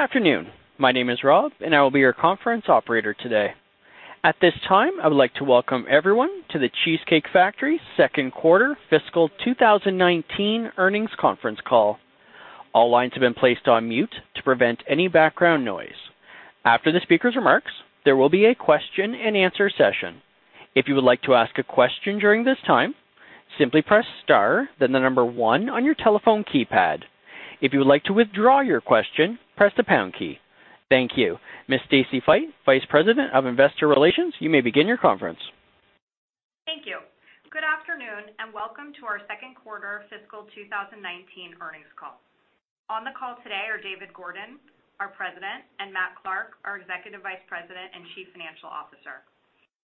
Good afternoon. My name is Rob. I will be your conference operator today. At this time, I would like to welcome everyone to The Cheesecake Factory Second Quarter Fiscal 2019 Earnings Conference Call. All lines have been placed on mute to prevent any background noise. After the speaker's remarks, there will be a question and answer session. If you would like to ask a question during this time, simply press star, then the number one on your telephone keypad. If you would like to withdraw your question, press the pound key. Thank you. Ms. Stacy Feit, Vice President of Investor Relations, you may begin your conference. Thank you. Good afternoon, welcome to our second quarter fiscal 2019 earnings call. On the call today are David Gordon, our President, and Matt Clark, our Executive Vice President and Chief Financial Officer.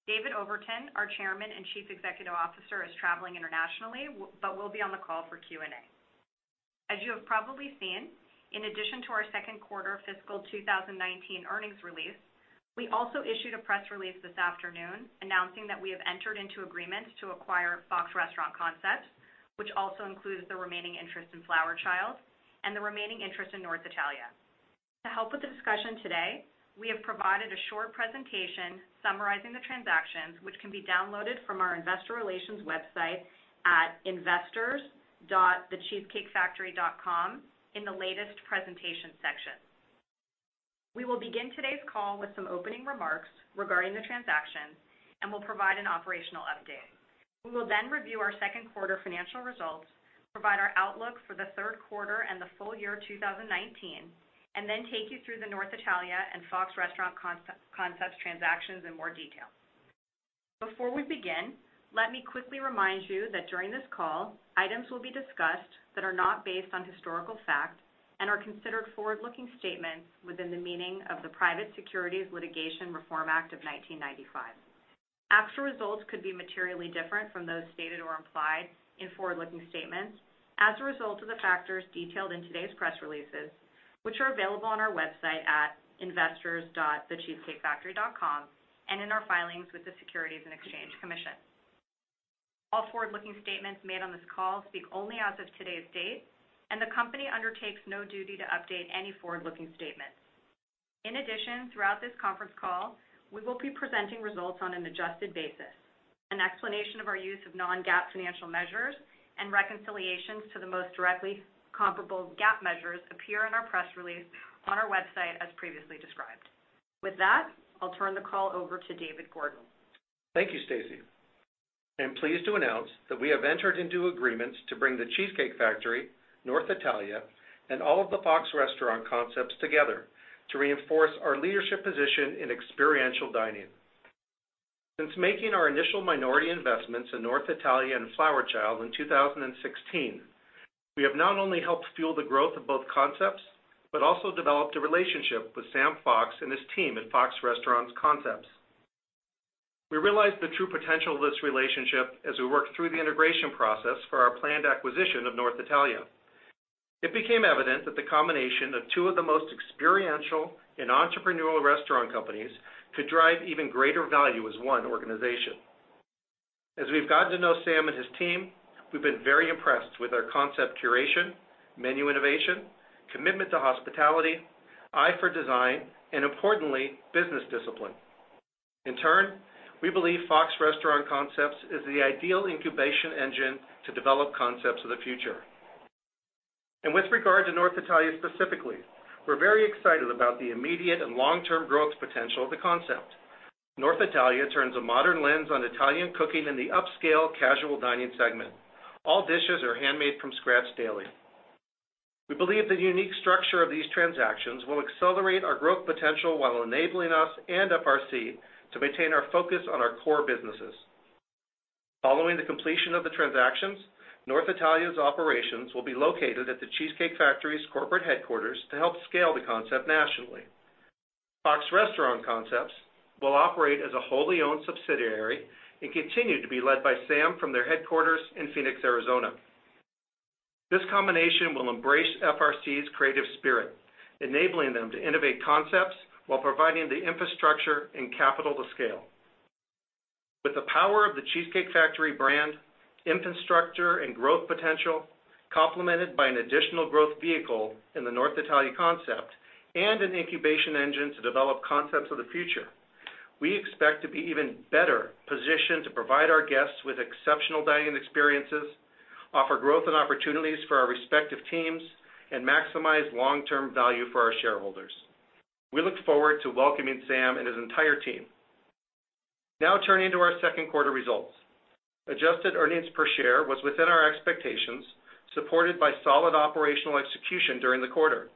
David Overton, our Chairman and Chief Executive Officer, is traveling internationally, but will be on the call for Q&A. As you have probably seen, in addition to our second quarter fiscal 2019 earnings release, we also issued a press release this afternoon announcing that we have entered into agreements to acquire Fox Restaurant Concepts, which also includes the remaining interest in Flower Child and the remaining interest in North Italia. To help with the discussion today, we have provided a short presentation summarizing the transactions, which can be downloaded from our investor relations website at investors.thecheesecakefactory.com in the Latest Presentation section. We will begin today's call with some opening remarks regarding the transaction and will provide an operational update. We will review our second quarter financial results, provide our outlook for the third quarter and the full year 2019, and then take you through the North Italia and Fox Restaurant Concepts transactions in more detail. Before we begin, let me quickly remind you that during this call, items will be discussed that are not based on historical fact and are considered forward-looking statements within the meaning of the Private Securities Litigation Reform Act of 1995. Actual results could be materially different from those stated or implied in forward-looking statements as a result of the factors detailed in today's press releases, which are available on our website at investors.thecheesecakefactory.com and in our filings with the Securities and Exchange Commission. All forward-looking statements made on this call speak only as of today's date, and the company undertakes no duty to update any forward-looking statements. In addition, throughout this conference call, we will be presenting results on an adjusted basis. An explanation of our use of non-GAAP financial measures and reconciliations to the most directly comparable GAAP measures appear in our press release on our website, as previously described. With that, I'll turn the call over to David Gordon. Thank you, Stacy. I am pleased to announce that we have entered into agreements to bring The Cheesecake Factory, North Italia, and all of the Fox Restaurant Concepts together to reinforce our leadership position in experiential dining. Since making our initial minority investments in North Italia and Flower Child in 2016, we have not only helped fuel the growth of both concepts, but also developed a relationship with Sam Fox and his team at Fox Restaurant Concepts. We realized the true potential of this relationship as we worked through the integration process for our planned acquisition of North Italia. It became evident that the combination of two of the most experiential and entrepreneurial restaurant companies could drive even greater value as one organization. As we've gotten to know Sam and his team, we've been very impressed with their concept curation, menu innovation, commitment to hospitality, eye for design, and importantly, business discipline. In turn, we believe Fox Restaurant Concepts is the ideal incubation engine to develop concepts of the future. With regard to North Italia specifically, we're very excited about the immediate and long-term growth potential of the concept. North Italia turns a modern lens on Italian cooking in the upscale casual dining segment. All dishes are handmade from scratch daily. We believe the unique structure of these transactions will accelerate our growth potential while enabling us and FRC to maintain our focus on our core businesses. Following the completion of the transactions, North Italia's operations will be located at The Cheesecake Factory's corporate headquarters to help scale the concept nationally. Fox Restaurant Concepts will operate as a wholly owned subsidiary and continue to be led by Sam from their headquarters in Phoenix, Arizona. This combination will embrace FRC's creative spirit, enabling them to innovate concepts while providing the infrastructure and capital to scale. With the power of The Cheesecake Factory brand, infrastructure, and growth potential, complemented by an additional growth vehicle in the North Italia concept and an incubation engine to develop concepts of the future, we expect to be even better positioned to provide our guests with exceptional dining experiences, offer growth and opportunities for our respective teams, and maximize long-term value for our shareholders. We look forward to welcoming Sam and his entire team. Turning to our second quarter results. Adjusted earnings per share was within our expectations, supported by solid operational execution during the quarter.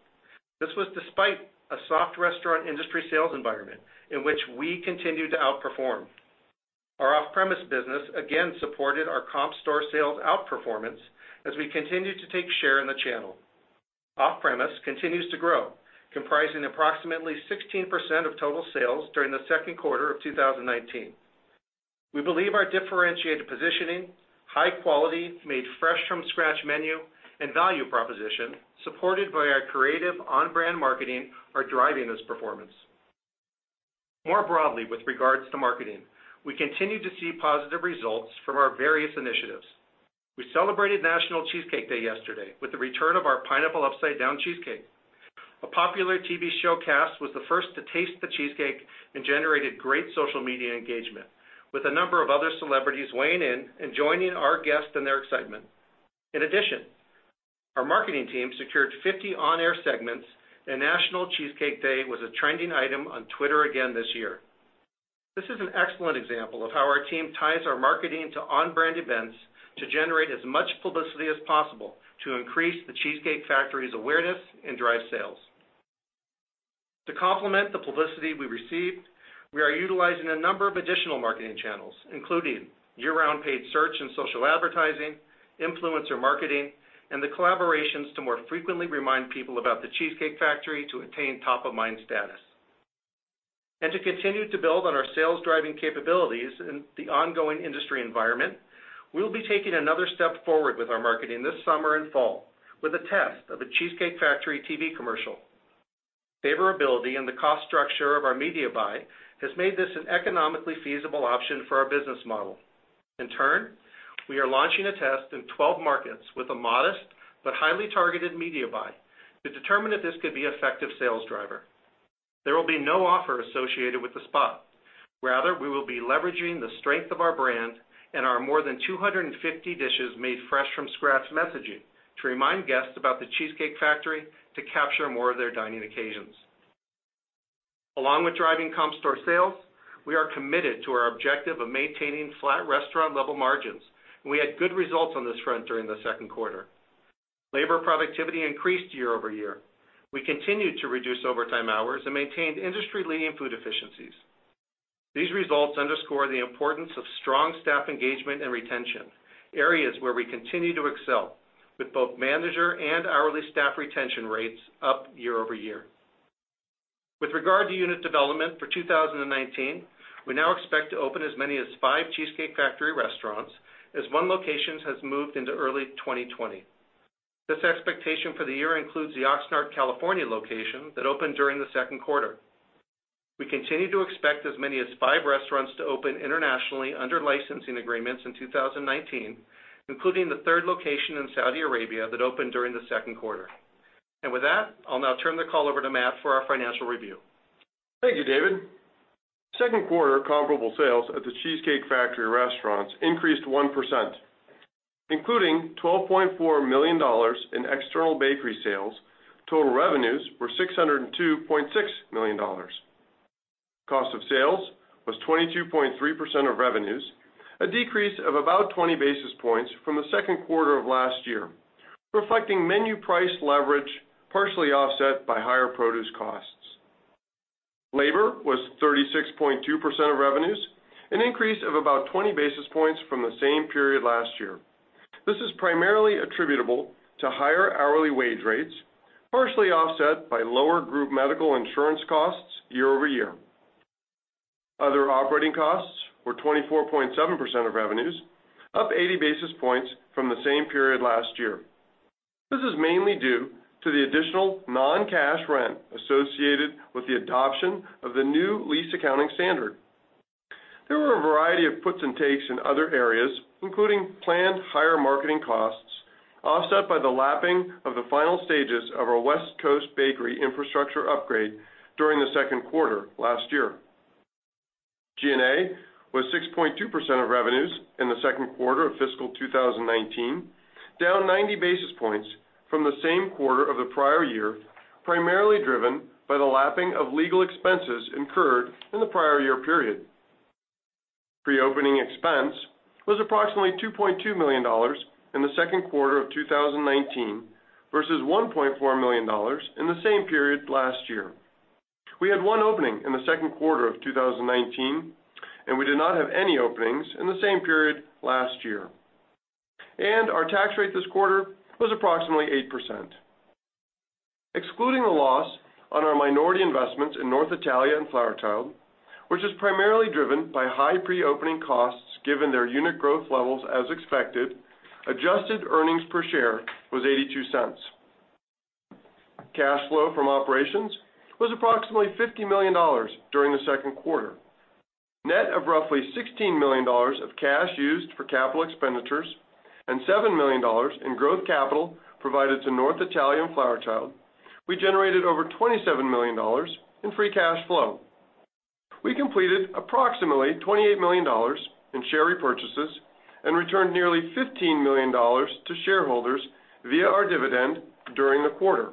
This was despite a soft restaurant industry sales environment, in which we continued to outperform. Our off-premise business again supported our comp store sales outperformance as we continued to take share in the channel. Off-premise continues to grow, comprising approximately 16% of total sales during the second quarter of 2019. We believe our differentiated positioning, high quality, made fresh from scratch menu, and value proposition, supported by our creative on-brand marketing, are driving this performance. More broadly with regards to marketing, we continue to see positive results from our various initiatives. We celebrated National Cheesecake Day yesterday with the return of our pineapple upside-down cheesecake. A popular TV show cast was the first to taste the cheesecake and generated great social media engagement, with a number of other celebrities weighing in and joining our guests in their excitement. In addition, our marketing team secured 50 on-air segments, and National Cheesecake Day was a trending item on Twitter again this year. This is an excellent example of how our team ties our marketing to on-brand events to generate as much publicity as possible to increase The Cheesecake Factory's awareness and drive sales. To complement the publicity we received, we are utilizing a number of additional marketing channels, including year-round paid search and social advertising, influencer marketing, and the collaborations to more frequently remind people about The Cheesecake Factory to attain top-of-mind status. To continue to build on our sales-driving capabilities in the ongoing industry environment, we'll be taking another step forward with our marketing this summer and fall with a test of a Cheesecake Factory TV commercial. Favorability and the cost structure of our media buy has made this an economically feasible option for our business model. We are launching a test in 12 markets with a modest but highly targeted media buy to determine if this could be effective sales driver. There will be no offer associated with the spot. We will be leveraging the strength of our brand and our more than 250 dishes made fresh from scratch messaging to remind guests about The Cheesecake Factory to capture more of their dining occasions. Along with driving comp store sales, we are committed to our objective of maintaining flat restaurant level margins. We had good results on this front during the second quarter. Labor productivity increased year-over-year. We continued to reduce overtime hours and maintained industry-leading food efficiencies. These results underscore the importance of strong staff engagement and retention, areas where we continue to excel with both manager and hourly staff retention rates up year-over-year. With regard to unit development for 2019, we now expect to open as many as five The Cheesecake Factory restaurants as one location has moved into early 2020. This expectation for the year includes the Oxnard, California location that opened during the second quarter. We continue to expect as many as five restaurants to open internationally under licensing agreements in 2019, including the third location in Saudi Arabia that opened during the second quarter. With that, I'll now turn the call over to Matt for our financial review. Thank you, David. Second quarter comparable sales at The Cheesecake Factory restaurants increased 1%, including $12.4 million in external bakery sales. Total revenues were $602.6 million. Cost of sales was 22.3% of revenues, a decrease of about 20 basis points from the second quarter of last year, reflecting menu price leverage partially offset by higher produce costs. Labor was 36.2% of revenues, an increase of about 20 basis points from the same period last year. This is primarily attributable to higher hourly wage rates, partially offset by lower group medical insurance costs year-over-year. Other operating costs were 24.7% of revenues, up 80 basis points from the same period last year. This is mainly due to the additional non-cash rent associated with the adoption of the new lease accounting standard. There were a variety of puts and takes in other areas, including planned higher marketing costs, offset by the lapping of the final stages of our West Coast bakery infrastructure upgrade during the second quarter last year. G&A was 6.2% of revenues in the second quarter of fiscal 2019, down 90 basis points from the same quarter of the prior year, primarily driven by the lapping of legal expenses incurred in the prior year period. Pre-opening expense was approximately $2.2 million in the second quarter of 2019 versus $1.4 million in the same period last year. We had one opening in the second quarter of 2019, we did not have any openings in the same period last year. Our tax rate this quarter was approximately 8%. Excluding the loss on our minority investments in North Italia and Flower Child, which is primarily driven by high pre-opening costs given their unit growth levels as expected, adjusted earnings per share was $0.82. Cash flow from operations was approximately $50 million during the second quarter. Net of roughly $16 million of cash used for capital expenditures and $7 million in growth capital provided to North Italia and Flower Child, we generated over $27 million in free cash flow. We completed approximately $28 million in share repurchases and returned nearly $15 million to shareholders via our dividend during the quarter.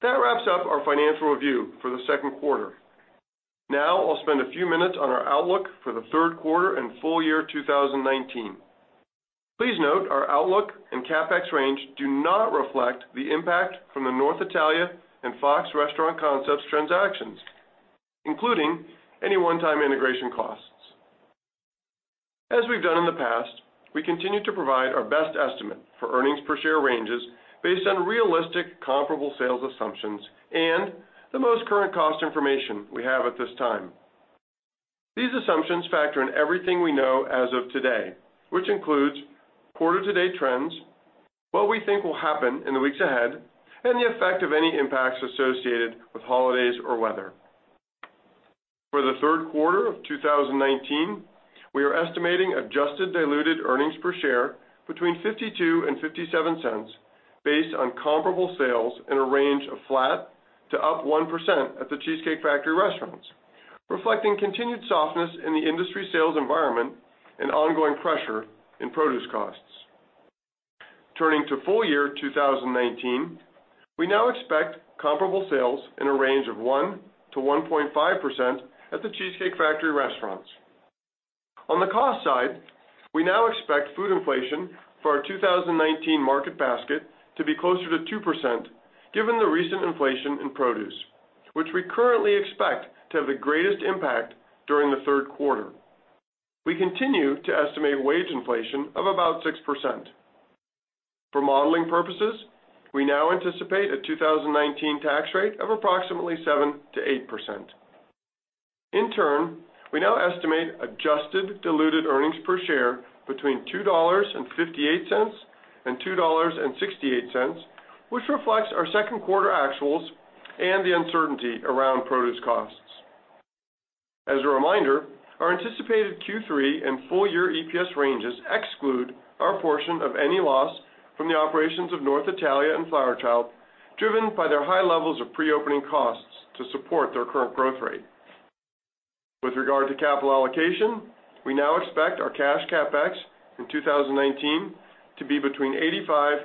That wraps up our financial review for the second quarter. Now, I'll spend a few minutes on our outlook for the third quarter and full year 2019. Please note our outlook and CapEx range do not reflect the impact from the North Italia and Fox Restaurant Concepts transactions, including any one-time integration costs. As we've done in the past, we continue to provide our best estimate for earnings per share ranges based on realistic comparable sales assumptions and the most current cost information we have at this time. These assumptions factor in everything we know as of today, which includes quarter-to-date trends, what we think will happen in the weeks ahead, and the effect of any impacts associated with holidays or weather. For the third quarter of 2019, we are estimating adjusted diluted earnings per share between $0.52 and $0.57, based on comparable sales in a range of flat to up 1% at The Cheesecake Factory restaurants, reflecting continued softness in the industry sales environment and ongoing pressure in produce costs. Turning to full year 2019, we now expect comparable sales in a range of 1%-1.5% at The Cheesecake Factory restaurants. On the cost side, we now expect food inflation for our 2019 market basket to be closer to 2%, given the recent inflation in produce, which we currently expect to have the greatest impact during the third quarter. We continue to estimate wage inflation of about 6%. For modeling purposes, we now anticipate a 2019 tax rate of approximately 7%-8%. In turn, we now estimate adjusted diluted earnings per share between $2.58-$2.68, which reflects our second quarter actuals and the uncertainty around produce costs. As a reminder, our anticipated Q3 and full year EPS ranges exclude our portion of any loss from the operations of North Italia and Flower Child, driven by their high levels of pre-opening costs to support their current growth rate. With regard to capital allocation, we now expect our cash CapEx in 2019 to be between $85 million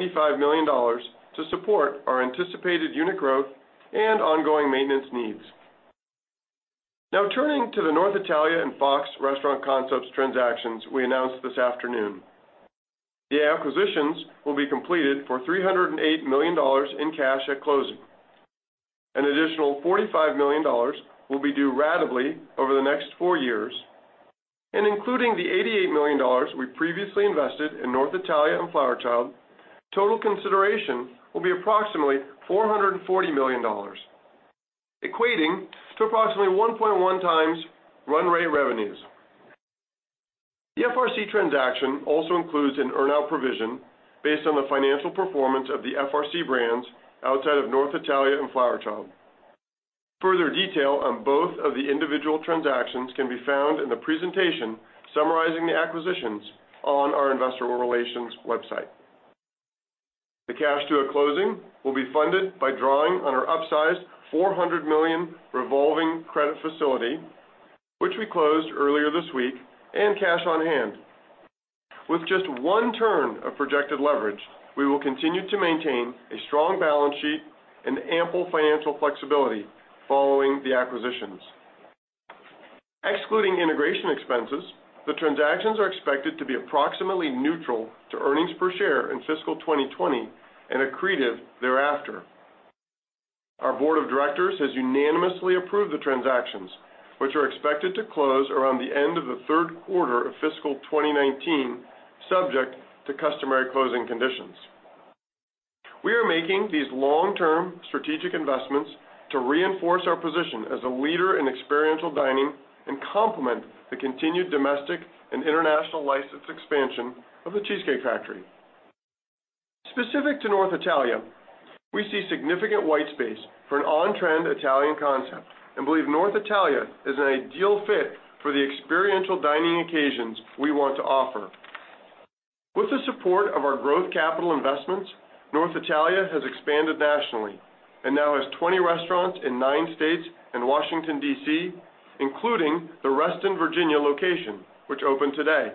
and $95 million to support our anticipated unit growth and ongoing maintenance needs. Now turning to the North Italia and Fox Restaurant Concepts transactions we announced this afternoon. The acquisitions will be completed for $308 million in cash at closing. An additional $45 million will be due ratably over the next four years. Including the $88 million we previously invested in North Italia and Flower Child, total consideration will be approximately $440 million, equating to approximately 1.1x run rate revenues. The FRC transaction also includes an earn-out provision based on the financial performance of the FRC brands outside of North Italia and Flower Child. Further detail on both of the individual transactions can be found in the presentation summarizing the acquisitions on our investor relations website. The cash at closing will be funded by drawing on our upsized $400 million revolving credit facility, which we closed earlier this week, and cash on hand. With just one turn of projected leverage, we will continue to maintain a strong balance sheet and ample financial flexibility following the acquisitions. Excluding integration expenses, the transactions are expected to be approximately neutral to earnings per share in fiscal 2020 and accretive thereafter. Our board of directors has unanimously approved the transactions, which are expected to close around the end of the third quarter of fiscal 2019, subject to customary closing conditions. We are making these long-term strategic investments to reinforce our position as a leader in experiential dining and complement the continued domestic and international licensed expansion of The Cheesecake Factory. Specific to North Italia, we see significant white space for an on-trend Italian concept and believe North Italia is an ideal fit for the experiential dining occasions we want to offer. With the support of our growth capital investments, North Italia has expanded nationally and now has 20 restaurants in nine states and Washington, D.C., including the Reston, Virginia location, which opened today.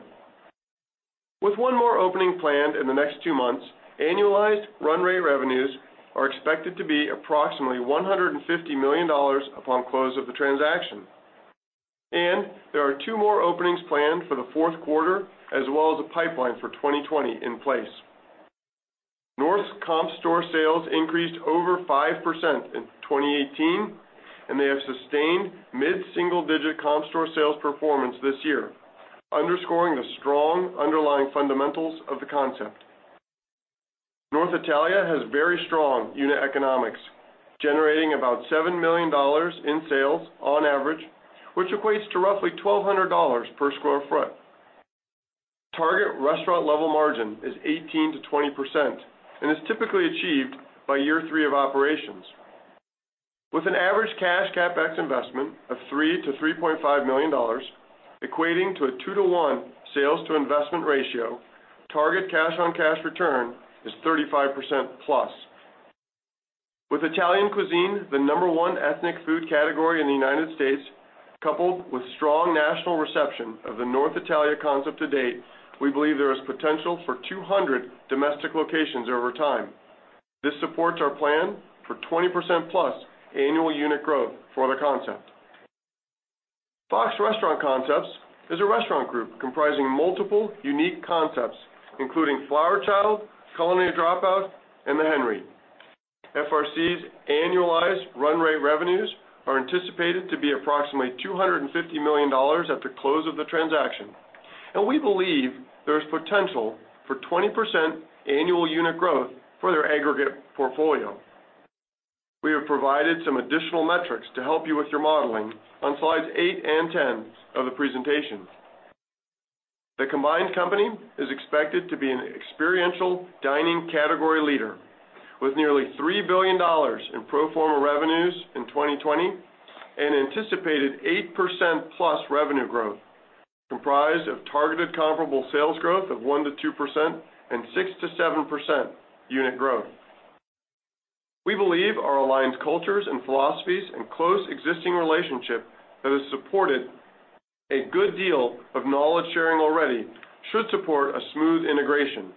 With one more opening planned in the next two months, annualized run rate revenues are expected to be approximately $150 million upon close of the transaction. There are two more openings planned for the fourth quarter, as well as a pipeline for 2020 in place. North's comp store sales increased over 5% in 2018, and they have sustained mid-single-digit comp store sales performance this year, underscoring the strong underlying fundamentals of the concept. North Italia has very strong unit economics, generating about $7 million in sales on average, which equates to roughly $1,200 per sq ft. Target restaurant level margin is 18%-20% and is typically achieved by year three of operations. With an average cash CapEx investment of $3 million-$3.5 million, equating to a 2:1 sales to investment ratio, target cash on cash return is 35%+. With Italian cuisine the number one ethnic food category in the U.S., coupled with strong national reception of the North Italia concept to date, we believe there is potential for 200 domestic locations over time. This supports our plan for 20%+ annual unit growth for the concept. Fox Restaurant Concepts is a restaurant group comprising multiple unique concepts, including Flower Child, Culinary Dropout, and The Henry. FRC's annualized run rate revenues are anticipated to be approximately $250 million at the close of the transaction, and we believe there is potential for 20% annual unit growth for their aggregate portfolio. We have provided some additional metrics to help you with your modeling on slides eight and 10 of the presentation. The combined company is expected to be an experiential dining category leader with nearly $3 billion in pro forma revenues in 2020 and anticipated 8%+ revenue growth, comprised of targeted comparable sales growth of 1%-2% and 6%-7% unit growth. We believe our aligned cultures and philosophies and close existing relationship that has supported a good deal of knowledge-sharing already should support a smooth integration.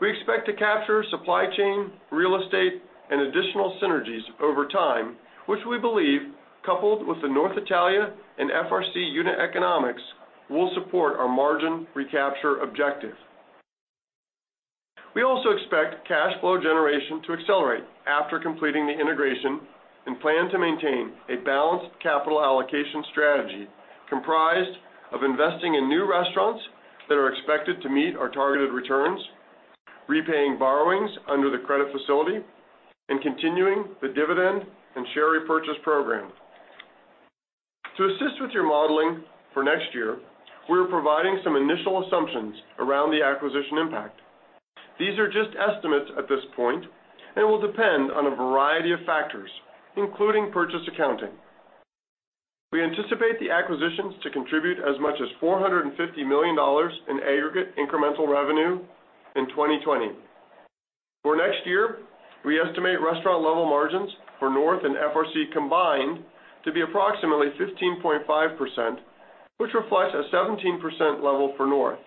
We expect to capture supply chain, real estate, and additional synergies over time, which we believe, coupled with the North Italia and FRC unit economics, will support our margin recapture objective. We also expect cash flow generation to accelerate after completing the integration and plan to maintain a balanced capital allocation strategy comprised of investing in new restaurants that are expected to meet our targeted returns, repaying borrowings under the credit facility, and continuing the dividend and share repurchase program. To assist with your modeling for next year, we're providing some initial assumptions around the acquisition impact. These are just estimates at this point and will depend on a variety of factors, including purchase accounting. We anticipate the acquisitions to contribute as much as $450 million in aggregate incremental revenue in 2020. For next year, we estimate restaurant level margins for North Italia and FRC combined to be approximately 15.5%, which reflects a 17% level for North Italia.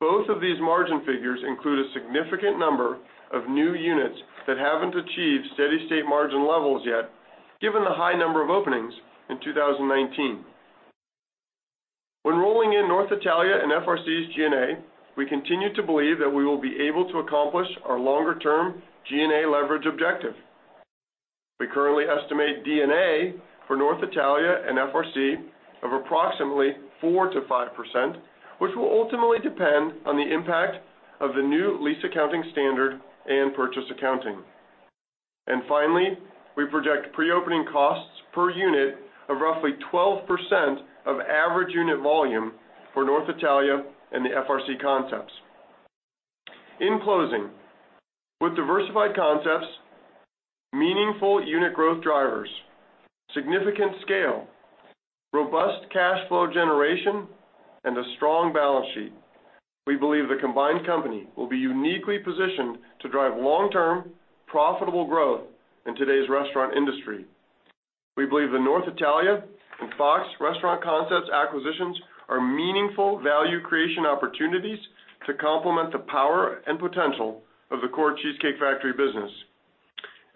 Both of these margin figures include a significant number of new units that haven't achieved steady state margin levels yet, given the high number of openings in 2019. When rolling in North Italia and FRC's G&A, we continue to believe that we will be able to accomplish our longer term G&A leverage objective. We currently estimate D&A for North Italia and FRC of approximately 4%-5%, which will ultimately depend on the impact of the new lease accounting standard and purchase accounting. Finally, we project pre-opening costs per unit of roughly 12% of average unit volume for North Italia and the FRC concepts. In closing, with diversified concepts, meaningful unit growth drivers, significant scale, robust cash flow generation, and a strong balance sheet, we believe the combined company will be uniquely positioned to drive long-term, profitable growth in today's restaurant industry. We believe the North Italia and Fox Restaurant Concepts acquisitions are meaningful value creation opportunities to complement the power and potential of the core The Cheesecake Factory business.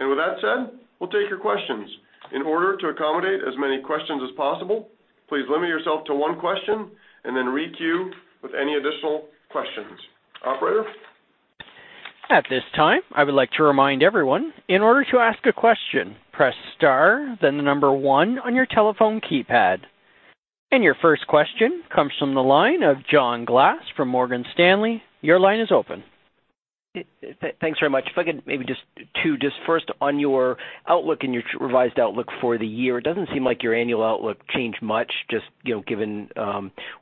With that said, we'll take your questions. In order to accommodate as many questions as possible, please limit yourself to one question, and then re-queue with any additional questions. Operator? At this time, I would like to remind everyone, in order to ask a question, press star, then the number one on your telephone keypad. Your first question comes from the line of John Glass from Morgan Stanley. Your line is open. Thanks very much. If I could maybe just first on your outlook and your revised outlook for the year, it doesn't seem like your annual outlook changed much, just given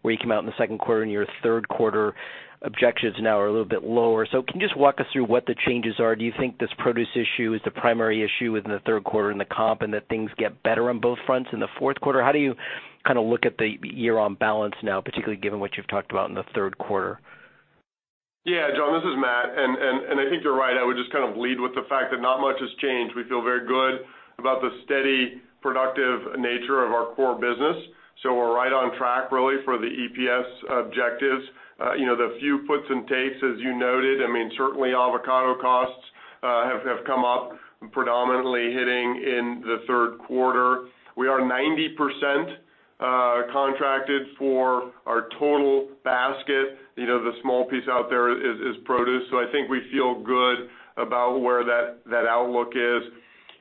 where you came out in the second quarter, and your third quarter objectives now are a little bit lower. Can you just walk us through what the changes are? Do you think this produce issue is the primary issue within the third quarter in the comp, and that things get better on both fronts in the fourth quarter? How do you look at the year on balance now, particularly given what you've talked about in the third quarter? Yeah, John, this is Matt. I think you're right. I would just lead with the fact that not much has changed. We feel very good about the steady, productive nature of our core business. We're right on track, really, for the EPS objectives. The few puts and takes, as you noted, certainly avocado costs have come up, predominantly hitting in the third quarter. We are 90% contracted for our total basket. The small piece out there is produce. I think we feel good about where that outlook is.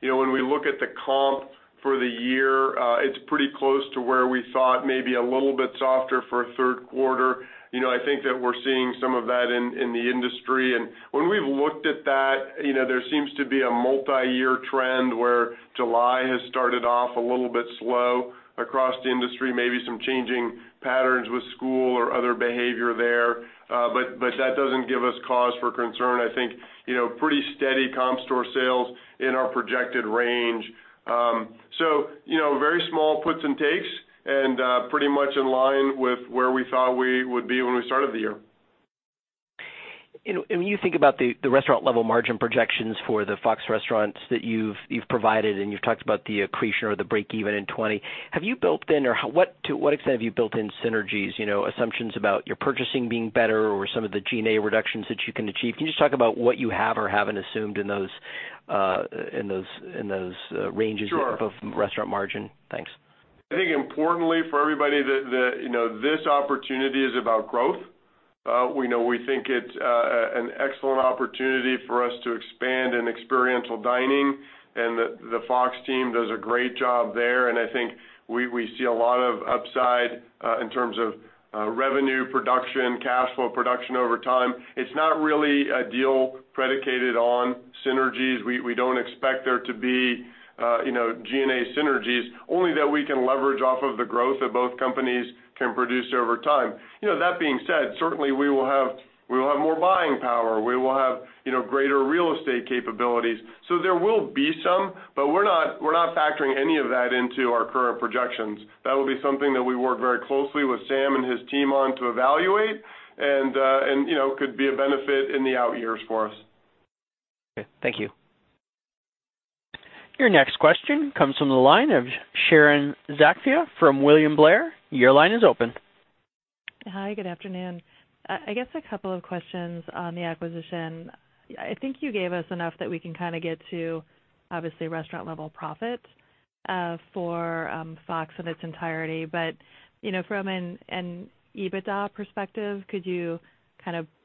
When we look at the comp for the year, it's pretty close to where we thought, maybe a little bit softer for third quarter. I think that we're seeing some of that in the industry. When we've looked at that, there seems to be a multi-year trend where July has started off a little bit slow across the industry, maybe some changing patterns with school or other behavior there. That doesn't give us cause for concern. I think, pretty steady comp store sales in our projected range. Very small puts and takes, and pretty much in line with where we thought we would be when we started the year. When you think about the restaurant-level margin projections for the Fox restaurants that you've provided, and you've talked about the accretion or the break-even in 2020, have you built in, or to what extent have you built in synergies, assumptions about your purchasing being better or some of the G&A reductions that you can achieve? Can you just talk about what you have or haven't assumed in those ranges Sure. --of restaurant margin? Thanks. I think importantly for everybody, this opportunity is about growth. We know we think it's an excellent opportunity for us to expand in experiential dining, and the Fox team does a great job there. I think we see a lot of upside in terms of revenue production, cash flow production over time. It's not really a deal predicated on synergies. We don't expect there to be G&A synergies, only that we can leverage off of the growth that both companies can produce over time. That being said, certainly we will have more buying power, we will have greater real estate capabilities. There will be some, but we're not factoring any of that into our current projections. That will be something that we work very closely with Sam and his team on to evaluate, and could be a benefit in the out years for us. Okay, thank you. Your next question comes from the line of Sharon Zackfia from William Blair. Your line is open. Hi, good afternoon. I guess a couple of questions on the acquisition. I think you gave us enough that we can get to, obviously, restaurant level profit for Fox in its entirety. From an EBITDA perspective, could you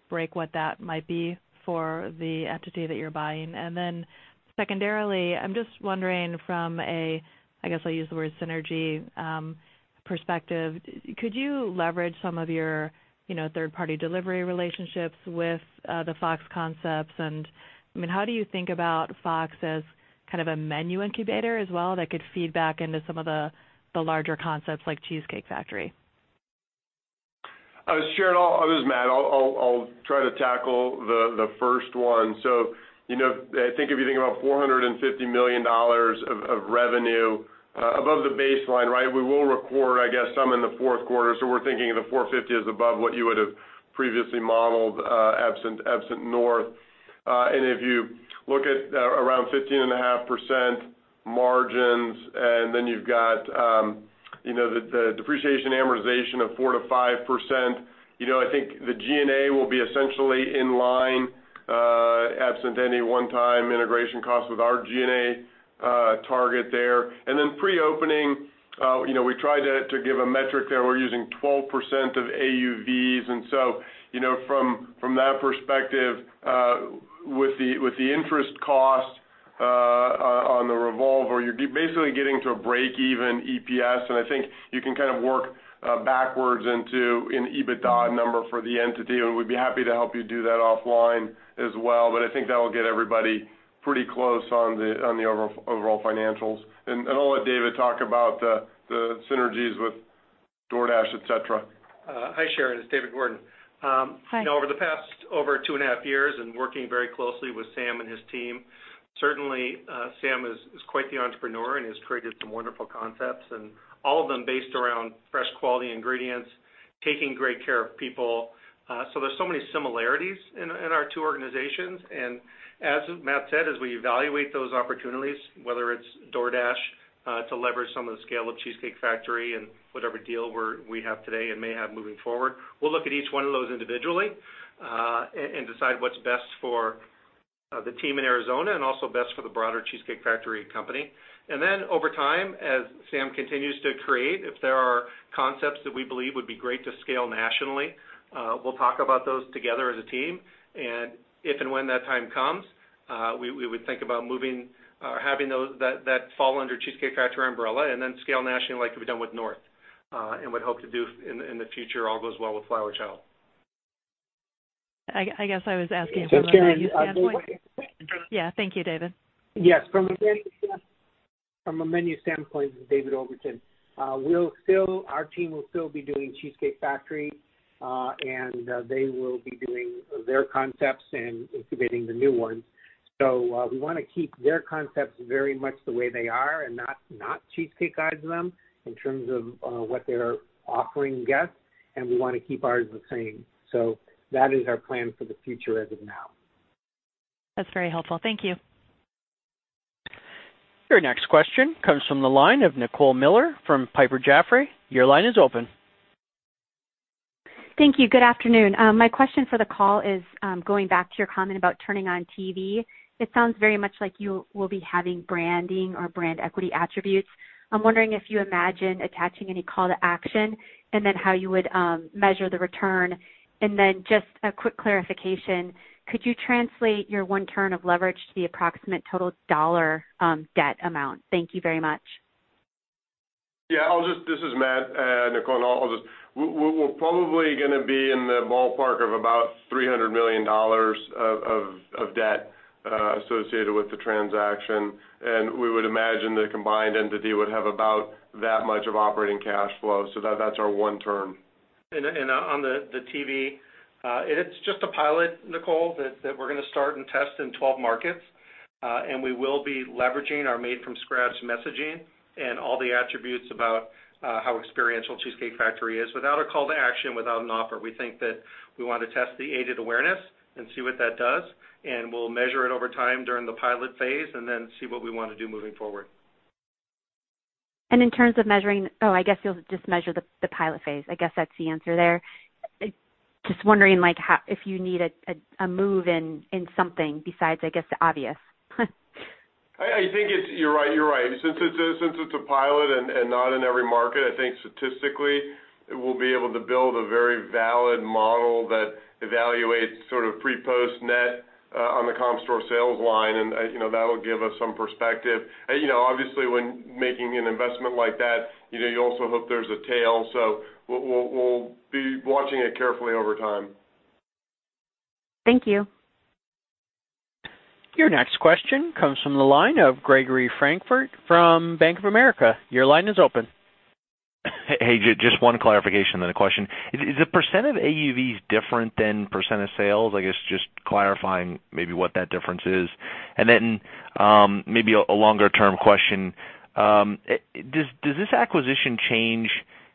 break what that might be for the entity that you're buying? Then secondarily, I'm just wondering from a, I guess I'll use the word synergy perspective, could you leverage some of your third-party delivery relationships with the Fox concepts? How do you think about Fox as a menu incubator as well, that could feed back into some of the larger concepts like Cheesecake Factory? Sharon, this is Matt. I'll try to tackle the first one. I think if you think about $450 million of revenue above the baseline, we will record, I guess, some in the fourth quarter. We're thinking the $450 is above what you would have previously modeled absent North. If you look at around 15.5% margins, then you've got the depreciation and amortization of 4%-5%. I think the G&A will be essentially in line, absent any one-time integration cost with our G&A target there. Then pre-opening, we tried to give a metric there. We're using 12% of AUVs. From that perspective, with the interest cost on the revolve, you're basically getting to a breakeven EPS, and I think you can work backwards into an EBITDA number for the entity. We'd be happy to help you do that offline as well. I think that'll get everybody pretty close on the overall financials. I'll let David talk about the synergies with DoorDash, et cetera. Hi, Sharon, it's David Gordon. Hi. Over the past 2.5 years and working very closely with Sam and his team, certainly Sam is quite the entrepreneur and has created some wonderful concepts. All of them based around fresh quality ingredients, taking great care of people. There's so many similarities in our two organizations. As Matt said, as we evaluate those opportunities, whether it's DoorDash to leverage some of the scale of The Cheesecake Factory and whatever deal we have today and may have moving forward, we'll look at each one of those individually and decide what's best for the team in Arizona and also best for the broader The Cheesecake Factory company. Over time, as Sam continues to create, if there are concepts that we believe would be great to scale nationally, we'll talk about those together as a team. If and when that time comes, we would think about having that fall under The Cheesecake Factory umbrella and then scale nationally like we've done with North, and would hope to do in the future, all goes well with Flower Child. I guess I was asking from a menu standpoint. Sharon... Yeah. Thank you, David. Yes. From a menu standpoint, this is David Overton. Our team will still be doing Cheesecake Factory, and they will be doing their concepts and incubating the new ones. We want to keep their concepts very much the way they are and not Cheesecake-ize them in terms of what they're offering guests, and we want to keep ours the same. That is our plan for the future as of now. That's very helpful. Thank you. Your next question comes from the line of Nicole Miller from Piper Jaffray. Your line is open. Thank you. Good afternoon. My question for the call is going back to your comment about turning on TV. It sounds very much like you will be having branding or brand equity attributes. I'm wondering if you imagine attaching any call to action, how you would measure the return. Just a quick clarification, could you translate your one turn of leverage to the approximate total dollar debt amount? Thank you very much. Yeah. This is Matt. Nicole, we're probably going to be in the ballpark of about $300 million of debt associated with the transaction, and we would imagine the combined entity would have about that much of operating cash flow. That's our one turn. On the TV, it's just a pilot, Nicole, that we're going to start and test in 12 markets. We will be leveraging our Made from Scratch messaging and all the attributes about how experiential The Cheesecake Factory is without a call to action, without an offer. We think that we want to test the aided awareness and see what that does, and we'll measure it over time during the pilot phase and then see what we want to do moving forward. In terms of measuring Oh, I guess you'll just measure the pilot phase. I guess that's the answer there. Just wondering if you need a move in something besides, I guess, the obvious. I think you're right. Since it's a pilot and not in every market, I think statistically, we'll be able to build a very valid model that evaluates sort of pre-post net on the comp store sales line, and that'll give us some perspective. Obviously, when making an investment like that, you also hope there's a tail. We'll be watching it carefully over time. Thank you. Your next question comes from the line of Gregory Francfort from Bank of America. Your line is open. Hey, just one clarification, then a question. Is the percent of AUVs different than percent of sales? I guess just clarifying maybe what that difference is. Then, maybe a longer term question, does this acquisition change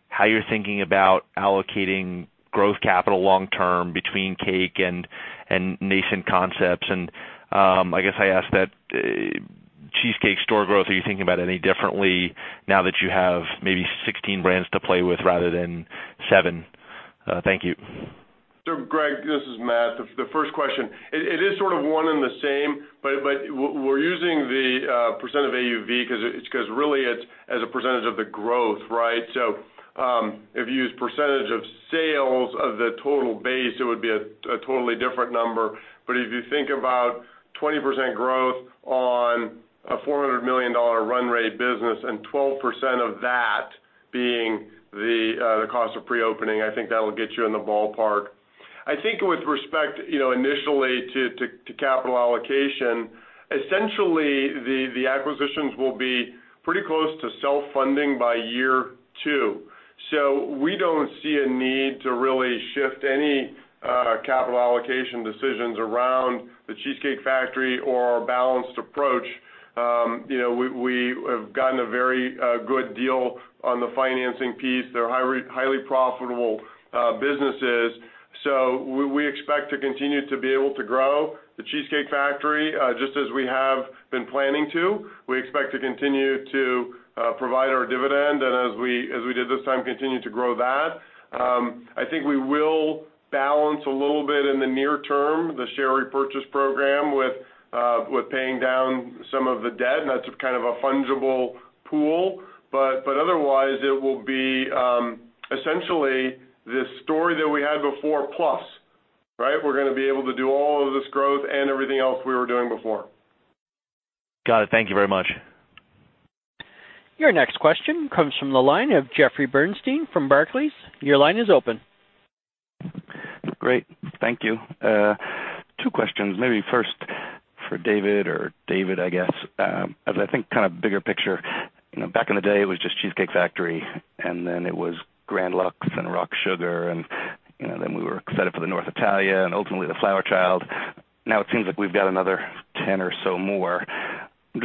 how you're thinking about allocating growth capital long-term between cake and nascent concepts? I guess I ask that Cheesecake store growth, are you thinking about any differently now that you have maybe 16 brands to play with rather than seven? Thank you. Greg, this is Matt. The first question, it is sort of one and the same, we're using the percent of AUV because really it's as a percentage of the growth, right? If you use percentage of sales of the total base, it would be a totally different number. If you think about 20% growth on a $400 million run rate business and 12% of that being the cost of pre-opening, I think that'll get you in the ballpark. I think with respect initially to capital allocation, essentially, the acquisitions will be pretty close to self-funding by year two. We don't see a need to really shift any capital allocation decisions around The Cheesecake Factory or our balanced approach. We have gotten a very good deal on the financing piece. They're highly profitable businesses. We expect to continue to be able to grow The Cheesecake Factory, just as we have been planning to. We expect to continue to provide our dividend, and as we did this time, continue to grow that. I think we will balance a little bit in the near-term, the share repurchase program with paying down some of the debt, and that's kind of a fungible pool. Otherwise, it will be essentially this story that we had before plus. We're going to be able to do all of this growth and everything else we were doing before. Got it. Thank you very much. Your next question comes from the line of Jeffrey Bernstein from Barclays. Your line is open. Great. Thank you. Two questions. Maybe first for David or David, I guess. As I think kind of bigger picture, back in the day, it was just Cheesecake Factory, and then it was Grand Lux and RockSugar, and then we were excited for the North Italia and ultimately The Flower Child. Now it seems like we've got another 10 or so more. I'm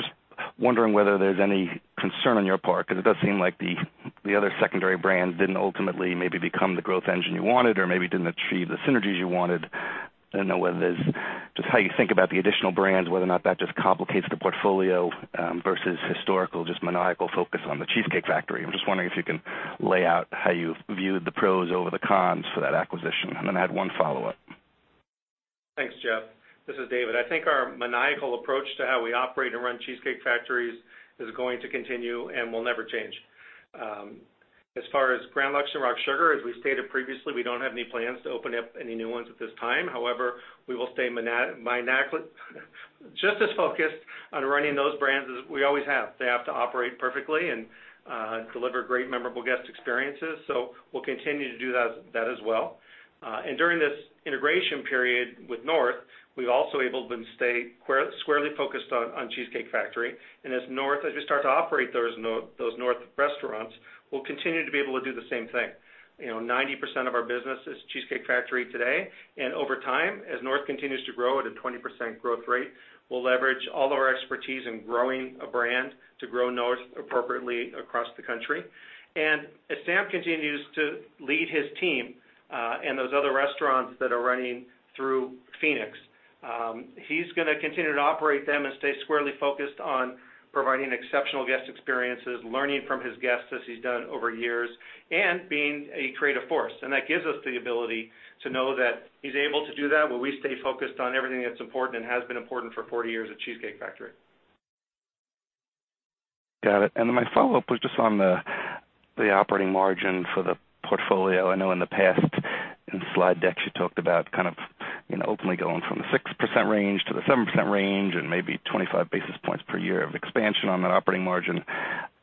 just wondering whether there's any concern on your part, because it does seem like the other secondary brands didn't ultimately maybe become the growth engine you wanted or maybe didn't achieve the synergies you wanted. I don't know whether there's just how you think about the additional brands, whether or not that just complicates the portfolio versus historical, just maniacal focus on the Cheesecake Factory. I'm just wondering if you can lay out how you viewed the pros over the cons for that acquisition. I'm going to add one follow-up. Thanks, Jeff. This is David. I think our maniacal approach to how we operate and run Cheesecake Factories is going to continue and will never change. As far as Grand Lux and RockSugar, as we stated previously, we don't have any plans to open up any new ones at this time. We will stay just as focused on running those brands as we always have. They have to operate perfectly and deliver great memorable guest experiences, so we'll continue to do that as well. During this integration period with North, we've also able to stay squarely focused on Cheesecake Factory. As North, we start to operate those North restaurants, we'll continue to be able to do the same thing. 90% of our business is Cheesecake Factory today. Over time, as North continues to grow at a 20% growth rate, we'll leverage all of our expertise in growing a brand to grow North appropriately across the country. As Sam continues to lead his team, and those other restaurants that are running through Phoenix, he's going to continue to operate them and stay squarely focused on providing exceptional guest experiences, learning from his guests as he's done over years, and being a creative force. That gives us the ability to know that he's able to do that while we stay focused on everything that's important and has been important for 40 years at Cheesecake Factory. Got it. My follow-up was just on the operating margin for the portfolio. I know in the past in slide decks, you talked about kind of openly going from the 6% range to the 7% range and maybe 25 basis points per year of expansion on that operating margin.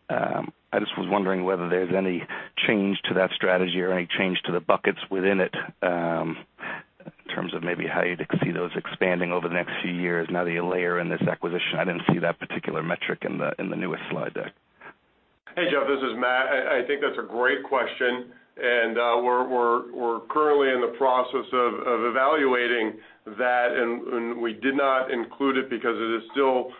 I just was wondering whether there's any change to that strategy or any change to the buckets within it, in terms of maybe how you could see those expanding over the next few years now that you layer in this acquisition. I didn't see that particular metric in the newest slide deck. Hey, Jeff, this is Matt. I think that's a great question. We're currently in the process of evaluating that. We did not include it because it is still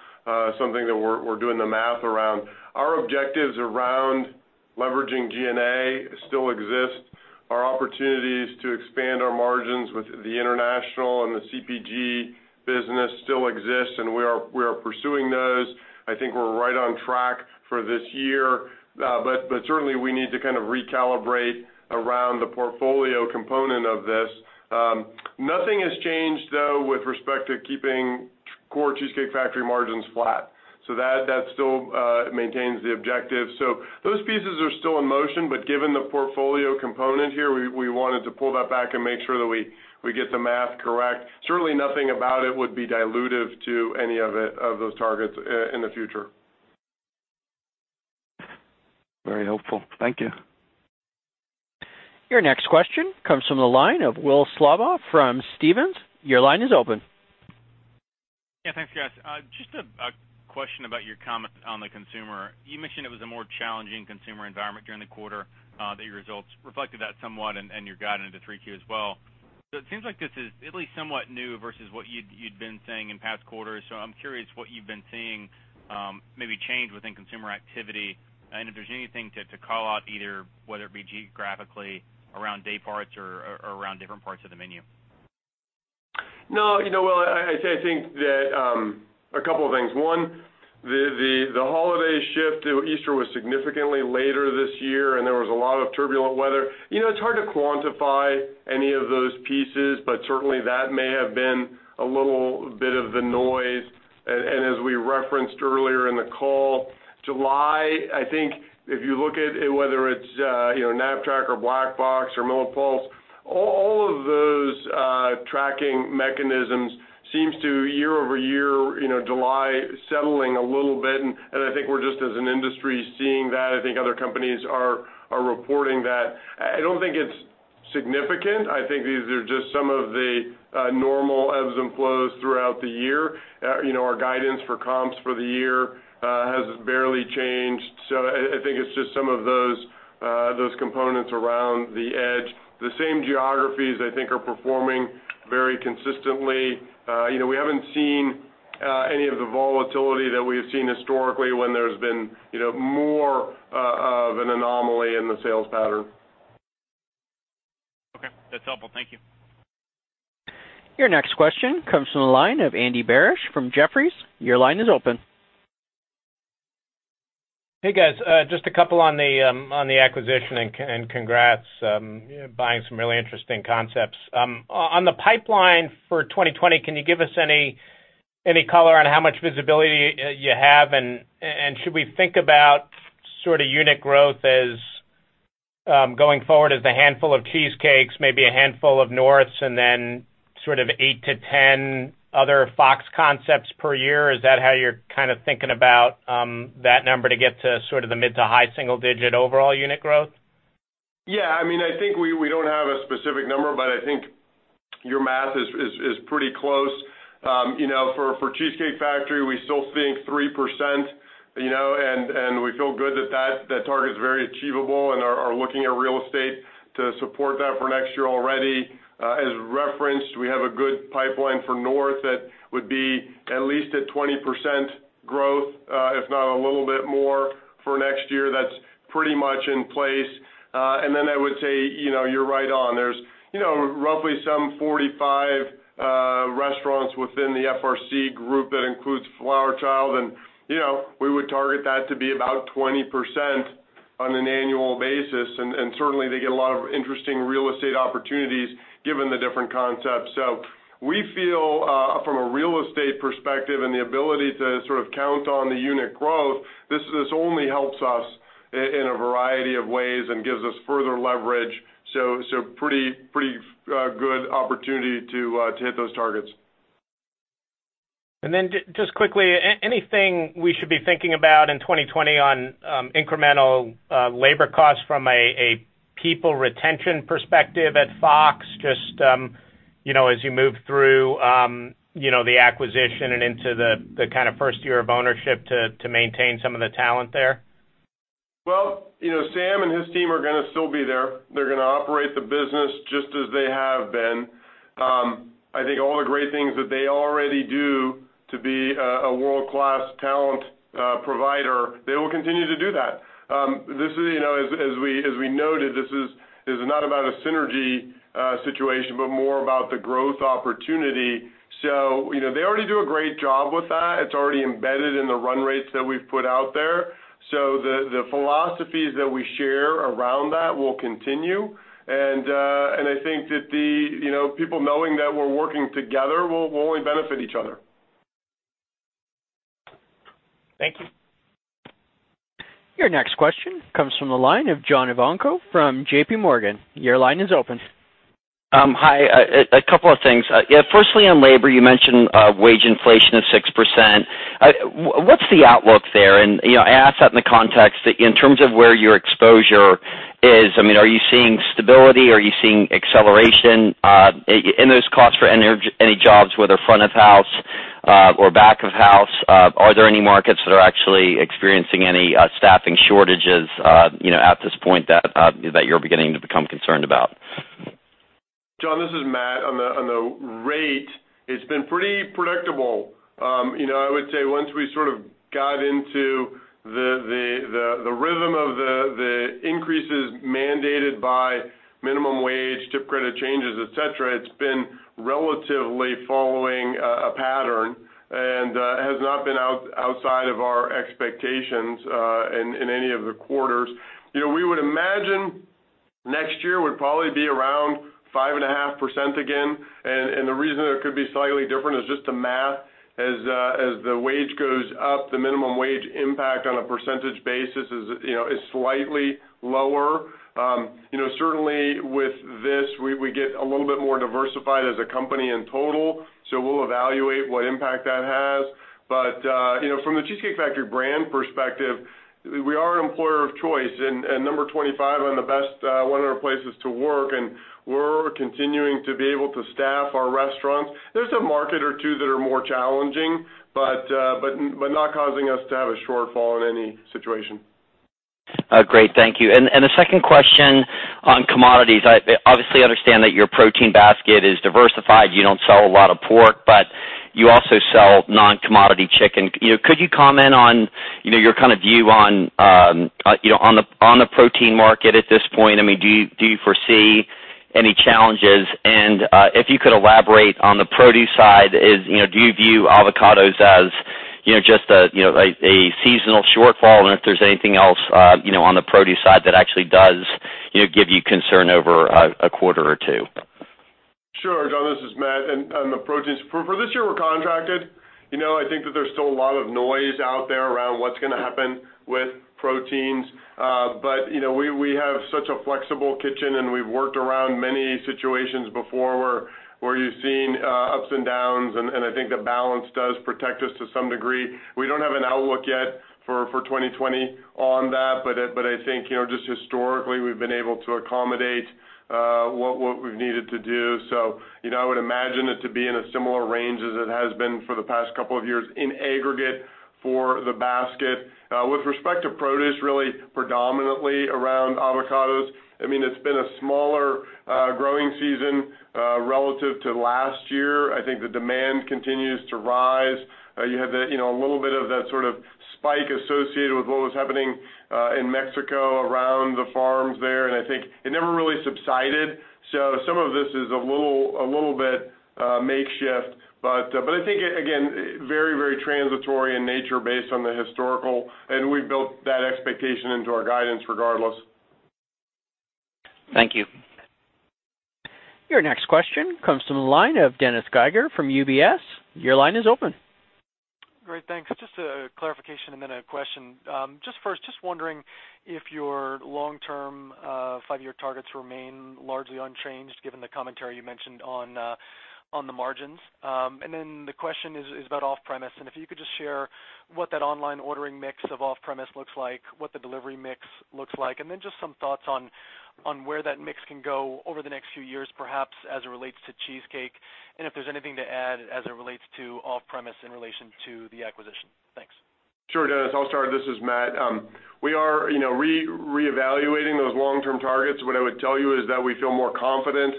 something that we're doing the math around. Our objectives around leveraging G&A still exist. Our opportunities to expand our margins with the international and the CPG business still exist. We are pursuing those. I think we're right on track for this year. Certainly, we need to kind of recalibrate around the portfolio component of this. Nothing has changed with respect to keeping core Cheesecake Factory margins flat. That still maintains the objective. Those pieces are still in motion. Given the portfolio component here, we wanted to pull that back and make sure that we get the math correct. Certainly, nothing about it would be dilutive to any of those targets in the future. Very helpful. Thank you. Your next question comes from the line of Will Slabaugh from Stephens. Your line is open. Yeah. Thanks, guys. Just a question about your comment on the consumer. You mentioned it was a more challenging consumer environment during the quarter, that your results reflected that somewhat, and your guidance into 3Q as well. It seems like this is at least somewhat new versus what you'd been saying in past quarters. I'm curious what you've been seeing maybe change within consumer activity, and if there's anything to call out either, whether it be geographically, around day parts or around different parts of the menu. No, Will, I think that a couple of things. One, the holiday shift. Easter was significantly later this year, and there was a lot of turbulent weather. Certainly that may have been a little bit of the noise. As we referenced earlier in the call, July, I think if you look at whether it's Knapp-Track or Black Box or MillerPulse, all of those tracking mechanisms seems to year-over-year, July settling a little bit. I think we're just as an industry, seeing that. I think other companies are reporting that. I don't think it's significant. I think these are just some of the normal ebbs and flows throughout the year. Our guidance for comps for the year has barely changed. I think it's just some of those components around the edge. The same geographies I think, are performing very consistently. We haven't seen any of the volatility that we've seen historically when there's been more of an anomaly in the sales pattern. Okay. That's helpful. Thank you. Your next question comes from the line of Andy Barish from Jefferies. Your line is open. Hey, guys. Just a couple on the acquisition, congrats. You're buying some really interesting concepts. On the pipeline for 2020, can you give us any color on how much visibility you have? Should we think about unit growth as going forward as a handful of Cheesecake, maybe a handful of North's, and then sort of 8-10 other Fox concepts per year? Is that how you're kind of thinking about that number to get to sort of the mid to high single digit overall unit growth? I think we don't have a specific number, but I think your math is pretty close. For The Cheesecake Factory, we still think 3%, and we feel good that target is very achievable and are looking at real estate to support that for next year already. As referenced, we have a good pipeline for North Italia that would be at least at 20% growth, if not a little bit more for next year. That's pretty much in place. I would say, you're right on. There's roughly some 45 restaurants within the FRC group that includes Flower Child, and we would target that to be about 20% on an annual basis. Certainly, they get a lot of interesting real estate opportunities given the different concepts. We feel, from a real estate perspective and the ability to sort of count on the unit growth, this only helps us in a variety of ways and gives us further leverage, pretty good opportunity to hit those targets. Just quickly, anything we should be thinking about in 2020 on incremental labor costs from a people retention perspective at Fox, just as you move through the acquisition and into the kind of first year of ownership to maintain some of the talent there? Well, Sam and his team are going to still be there. They're going to operate the business just as they have been. I think all the great things that they already do to be a world-class talent provider, they will continue to do that. As we noted, this is not about a synergy situation, but more about the growth opportunity. They already do a great job with that. It's already embedded in the run rates that we've put out there. The philosophies that we share around that will continue, and I think that the people knowing that we're working together will only benefit each other. Thank you. Your next question comes from the line of John Ivankoe from JPMorgan. Your line is open. Hi. A couple of things. Firstly, on labor, you mentioned wage inflation of 6%. What's the outlook there? I ask that in the context in terms of where your exposure is. Are you seeing stability? Are you seeing acceleration in those costs for any jobs, whether front of house or back of house? Are there any markets that are actually experiencing any staffing shortages at this point that you're beginning to become concerned about? John, this is Matt. On the rate, it's been pretty predictable. I would say once we sort of got into the rhythm of the increases mandated by minimum wage, tip credit changes, et cetera, it's been relatively following and has not been outside of our expectations in any of the quarters. We would imagine next year would probably be around 5.5% again, the reason it could be slightly different is just the math. As the wage goes up, the minimum wage impact on a percentage basis is slightly lower. Certainly, with this, we get a little bit more diversified as a company in total. We'll evaluate what impact that has. From The Cheesecake Factory brand perspective, we are an employer of choice and number 25 on the best 100 places to work, and we're continuing to be able to staff our restaurants. There's a market or two that are more challenging, but not causing us to have a shortfall in any situation. Great. Thank you. The second question on commodities. I obviously understand that your protein basket is diversified. You don't sell a lot of pork, but you also sell non-commodity chicken. Could you comment on your view on the protein market at this point? Do you foresee any challenges? If you could elaborate on the produce side, do you view avocados as just a seasonal shortfall and if there's anything else on the produce side that actually does give you concern over a quarter or two? Sure, John, this is Matt. On the proteins, for this year, we're contracted. I think that there's still a lot of noise out there around what's going to happen with proteins. We have such a flexible kitchen, and we've worked around many situations before where you've seen ups and downs, and I think the balance does protect us to some degree. We don't have an outlook yet for 2020 on that, but I think just historically, we've been able to accommodate what we've needed to do. I would imagine it to be in a similar range as it has been for the past couple of years in aggregate for the basket. With respect to produce, really predominantly around avocados. It's been a smaller growing season relative to last year. I think the demand continues to rise. You had a little bit of that spike associated with what was happening in Mexico around the farms there, and I think it never really subsided. Some of this is a little bit makeshift, but I think, again, very transitory in nature based on the historical, and we've built that expectation into our guidance regardless. Thank you. Your next question comes from the line of Dennis Geiger from UBS. Your line is open. Great. Thanks. Just a clarification and then a question. Just first, just wondering if your long-term five-year targets remain largely unchanged given the commentary you mentioned on the margins. The question is about off-premise, and if you could just share what that online ordering mix of off-premise looks like, what the delivery mix looks like, and then just some thoughts on where that mix can go over the next few years, perhaps as it relates to Cheesecake, and if there's anything to add as it relates to off-premise in relation to the acquisition. Thanks. Sure, Dennis. I'll start. This is Matt. We are reevaluating those long-term targets. What I would tell you is that we feel more confident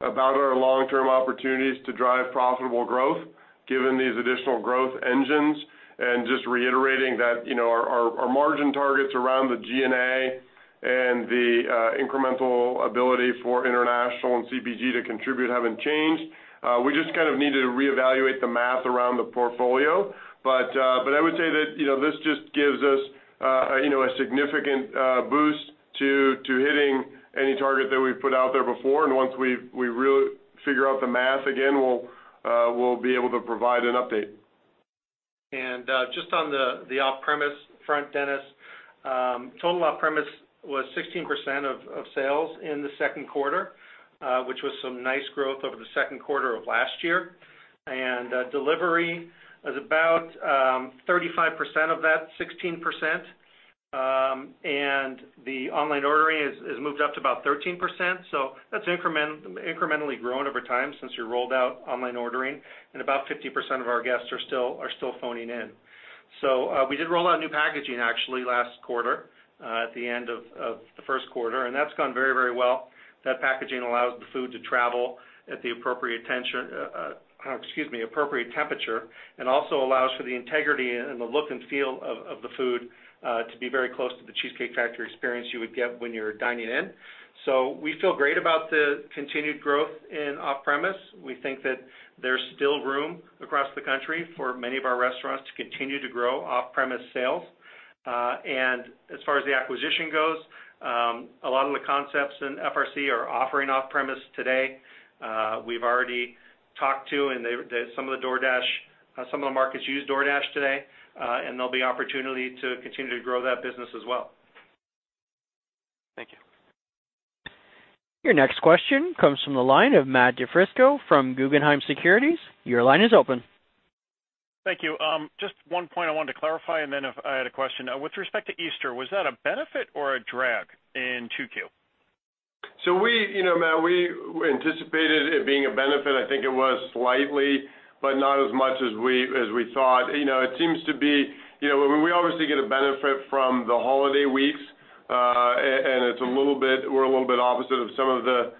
about our long-term opportunities to drive profitable growth given these additional growth engines, and just reiterating that our margin targets around the G&A and the incremental ability for international and CPG to contribute haven't changed. We just kind of needed to reevaluate the math around the portfolio. I would say that this just gives us a significant boost to hitting any target that we've put out there before, and once we really figure out the math again, we'll be able to provide an update. Just on the off-premise front, Dennis. Total off-premise was 16% of sales in the second quarter, which was some nice growth over the second quarter of last year. Delivery is about 35% of that 16%, and the online ordering has moved up to about 13%. That's incrementally grown over time since we rolled out online ordering, and about 50% of our guests are still phoning in. We did roll out new packaging actually last quarter, at the end of the first quarter, and that's gone very, very well. That packaging allows the food to travel at the appropriate temperature, and also allows for the integrity and the look and feel of the food to be very close to The Cheesecake Factory experience you would get when you're dining in. We feel great about the continued growth in off-premise. We think that there's still room across the country for many of our restaurants to continue to grow off-premise sales. As far as the acquisition goes, a lot of the concepts in FRC are offering off-premise today. We've already talked to, and some of the markets use DoorDash today, and there'll be opportunity to continue to grow that business as well. Thank you. Your next question comes from the line of Matthew DiFrisco from Guggenheim Securities. Your line is open. Thank you. Just one point I wanted to clarify, and then I had a question. With respect to Easter, was that a benefit or a drag in 2Q? Matt, we anticipated it being a benefit. I think it was slightly, but not as much as we thought. We obviously get a benefit from the holiday weeks, and we're a little bit opposite of some of the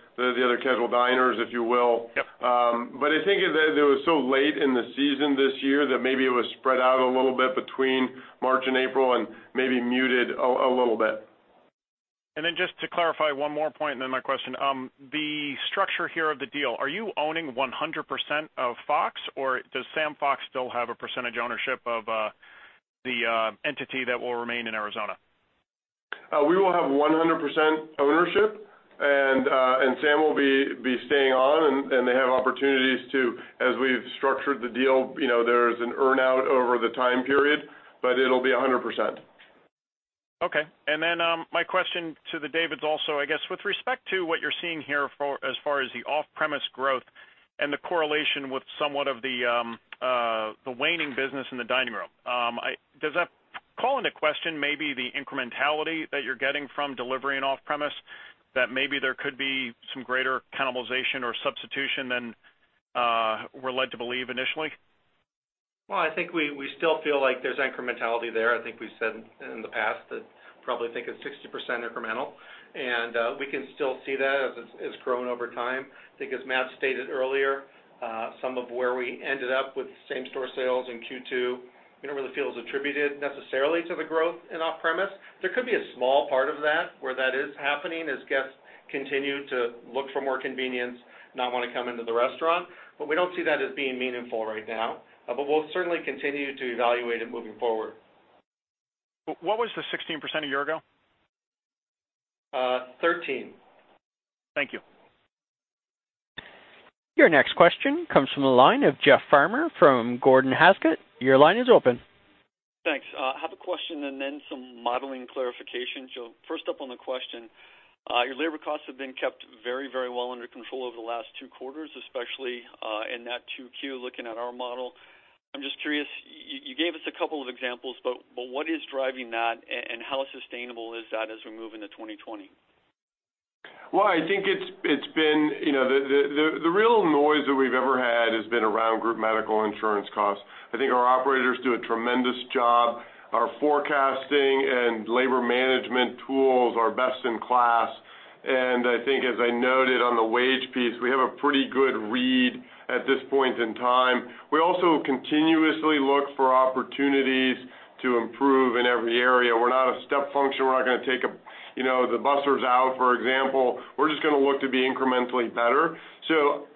other casual diners, if you will. Yep. I think that it was so late in the season this year that maybe it was spread out a little bit between March and April, and maybe muted a little bit. Just to clarify one more point and then my question, the structure here of the deal, are you owning 100% of Fox, or does Sam Fox still have a percentage ownership of the entity that will remain in Arizona? We will have 100% ownership, and Sam will be staying on, and they have opportunities to, as we've structured the deal, there is an earn-out over the time period, but it'll be 100%. Okay. My question to the Davids also, I guess, with respect to what you're seeing here as far as the off-premise growth and the correlation with somewhat of the waning business in the dining room. Does that call into question maybe the incrementality that you're getting from delivery and off-premise, that maybe there could be some greater cannibalization or substitution than we're led to believe initially? I think we still feel like there's incrementality there. I think we've said in the past that probably think it's 60% incremental. We can still see that as it's grown over time. I think as Matt stated earlier, some of where we ended up with same-store sales in Q2, we don't really feel is attributed necessarily to the growth in off-premise. There could be a small part of that where that is happening as guests continue to look for more convenience, not want to come into the restaurant. We don't see that as being meaningful right now. We'll certainly continue to evaluate it moving forward. What was the 16% a year ago? 13%. Thank you. Your next question comes from the line of Jeff Farmer from Gordon Haskett. Your line is open. Thanks. I have a question and then some modeling clarification. First up on the question. Your labor costs have been kept very well under control over the last two quarters, especially in that 2Q looking at our model. I'm just curious, you gave us a couple of examples, but what is driving that, and how sustainable is that as we move into 2020? Well, I think the real noise that we've ever had has been around group medical insurance costs. I think our operators do a tremendous job. Our forecasting and labor management tools are best in class. I think as I noted on the wage piece, we have a pretty good read at this point in time. We also continuously look for opportunities to improve in every area. We're not a step function. We're not going to take the busers out, for example. We're just going to look to be incrementally better.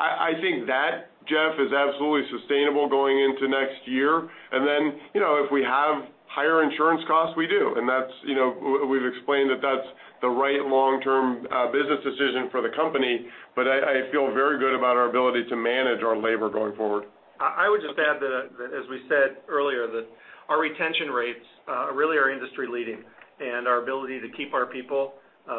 I think that, Jeff, is absolutely sustainable going into next year. Then, if we have higher insurance costs, we do. We've explained that that's the right long-term business decision for the company, but I feel very good about our ability to manage our labor going forward. I would just add that, as we said earlier, that our retention rates really are industry leading, and our ability to keep our people,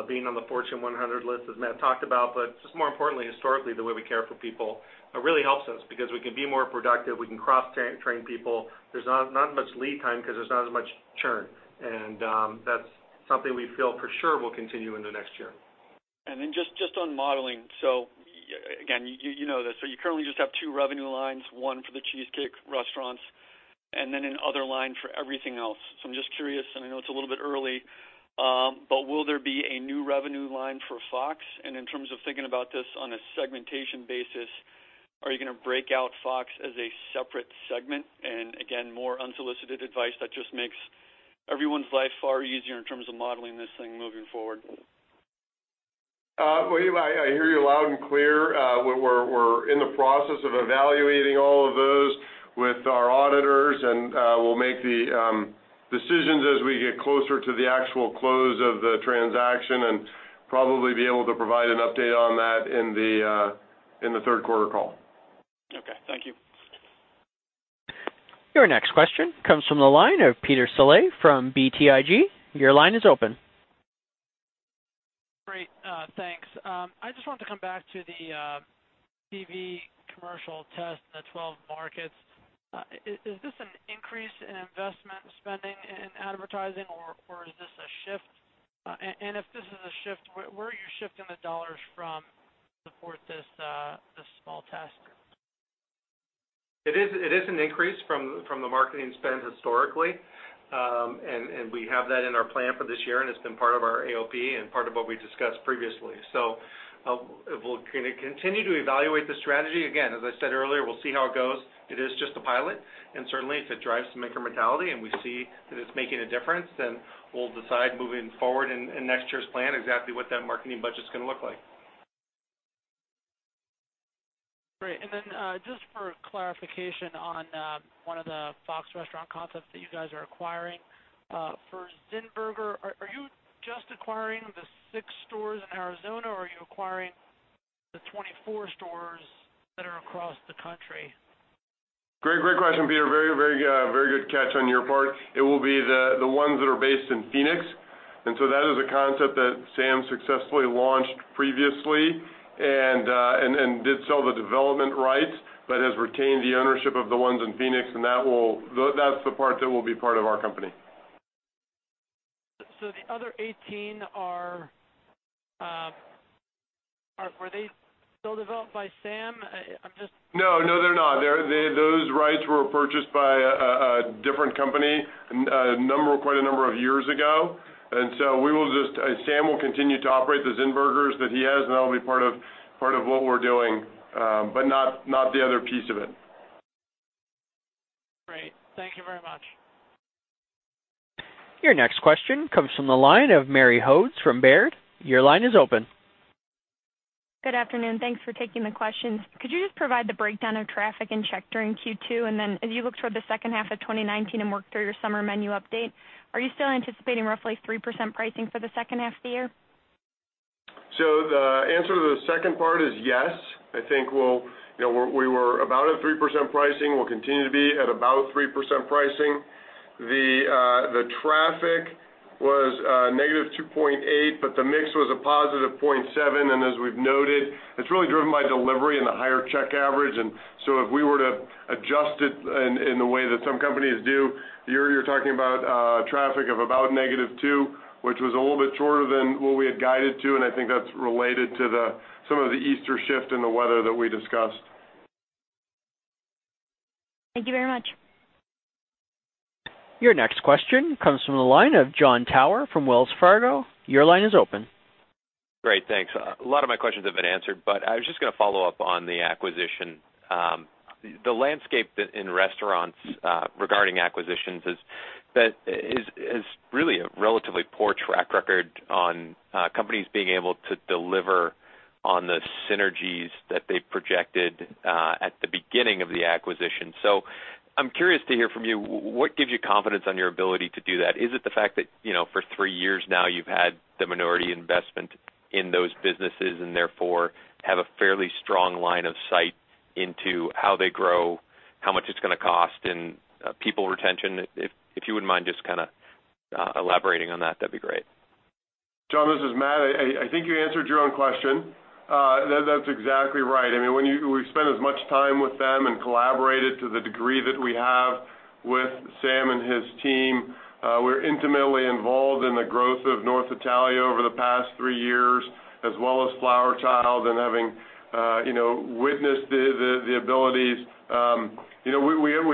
being on the Fortune 100 list, as Matt talked about. Just more importantly, historically, the way we care for people really helps us because we can be more productive, we can cross-train people. There's not as much lead time because there's not as much churn. That's something we feel for sure will continue into next year. Just on modeling. Again, you know this, so you currently just have two revenue lines, one for the Cheesecake restaurants and then another line for everything else. I'm just curious, and I know it's a little bit early, but will there be a new revenue line for Fox? In terms of thinking about this on a segmentation basis, are you going to break out Fox as a separate segment? Again, more unsolicited advice that just makes everyone's life far easier in terms of modeling this thing moving forward. Well, I hear you loud and clear. We're in the process of evaluating all of those with our auditors, and we'll make the decisions as we get closer to the actual close of the transaction and probably be able to provide an update on that in the third quarter call. Okay. Thank you. Your next question comes from the line of Peter Saleh from BTIG. Your line is open. Great, thanks. I just wanted to come back to the TV commercial test in the 12 markets. Is this an increase in investment spending in advertising, or is this a shift? If this is a shift, where are you shifting the dollars from to support this small test? It is an increase from the marketing spend historically. We have that in our plan for this year, and it's been part of our AOP and part of what we discussed previously. We'll continue to evaluate the strategy. Again, as I said earlier, we'll see how it goes. It is just a pilot. Certainly, if it drives some incrementality and we see that it's making a difference, then we'll decide moving forward in next year's plan exactly what that marketing budget's going to look like. Great. Just for clarification on one of the Fox Restaurant Concepts that you guys are acquiring. For Zinburger, are you just acquiring the six stores in Arizona, or are you acquiring the 24 stores that are across the country? Great question, Peter. Very good catch on your part. It will be the ones that are based in Phoenix. That is a concept that Sam successfully launched previously and did sell the development rights but has retained the ownership of the ones in Phoenix, and that's the part that will be part of our company. The other 18, were they still developed by Sam? No, they're not. Those rights were purchased by a different company quite a number of years ago. Sam will continue to operate the Zinburgers that he has, and that'll be part of what we're doing, but not the other piece of it. Thank you very much. Your next question comes from the line of Mary Hodes from Baird. Your line is open. Good afternoon. Thanks for taking the questions. Could you just provide the breakdown of traffic and check during Q2? As you look toward the second half of 2019 and work through your summer menu update, are you still anticipating roughly 3% pricing for the second half of the year? The answer to the second part is yes. I think we were about at 3% pricing, we'll continue to be at about 3% pricing. The traffic was -2.8%, but the mix was a +0.7%, and as we've noted, it's really driven by delivery and the higher check average. If we were to adjust it in the way that some companies do, you're talking about traffic of about -2%, which was a little bit shorter than what we had guided to, and I think that's related to some of the Easter shift and the weather that we discussed. Thank you very much. Your next question comes from the line of Jon Tower from Wells Fargo. Your line is open. Great. Thanks. A lot of my questions have been answered, but I was just going to follow up on the acquisition. The landscape in restaurants, regarding acquisitions, has really a relatively poor track record on companies being able to deliver on the synergies that they projected at the beginning of the acquisition. I'm curious to hear from you, what gives you confidence on your ability to do that? Is it the fact that, for three years now, you've had the minority investment in those businesses and therefore have a fairly strong line of sight into how they grow, how much it's going to cost in people retention? If you wouldn't mind just elaborating on that'd be great. Jon, this is Matt. I think you answered your own question. That's exactly right. When we've spent as much time with them and collaborated to the degree that we have with Sam and his team, we're intimately involved in the growth of North Italia over the past three years, as well as Flower Child, and having witnessed the abilities. We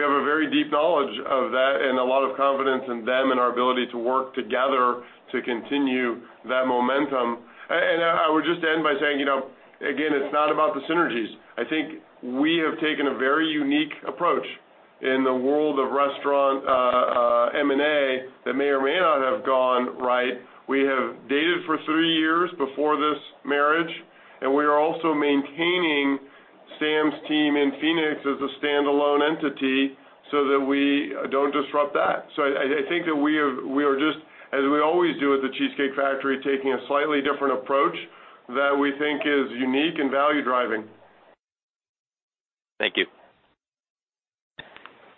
have a very deep knowledge of that and a lot of confidence in them and our ability to work together to continue that momentum. I would just end by saying, again, it's not about the synergies. I think we have taken a very unique approach in the world of restaurant M&A that may or may not have gone right. We have dated for three years before this marriage, and we are also maintaining Sam's team in Phoenix as a standalone entity so that we don't disrupt that. I think that we are just, as we always do at The Cheesecake Factory, taking a slightly different approach that we think is unique and value-driving. Thank you.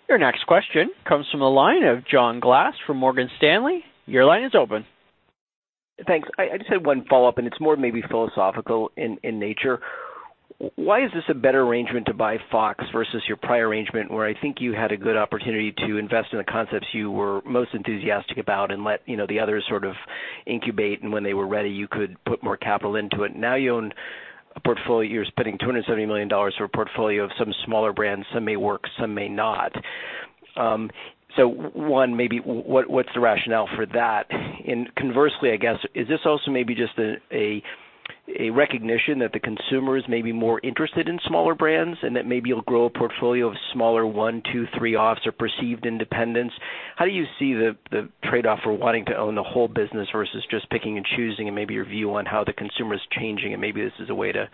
Your next question comes from the line of John Glass from Morgan Stanley. Your line is open. Thanks. I just had one follow-up, and it's more maybe philosophical in nature. Why is this a better arrangement to buy Fox versus your prior arrangement, where I think you had a good opportunity to invest in the concepts you were most enthusiastic about and let the others sort of incubate, and when they were ready, you could put more capital into it? Now you own a portfolio. You're spending $270 million for a portfolio of some smaller brands. Some may work, some may not. One, maybe what's the rationale for that? Conversely, I guess, is this also maybe just a recognition that the consumers may be more interested in smaller brands and that maybe you'll grow a portfolio of smaller one, two, three offs or perceived independents? How do you see the trade-off for wanting to own the whole business versus just picking and choosing, and maybe your view on how the consumer is changing, and maybe this is a way to